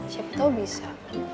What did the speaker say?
siapa tau bisa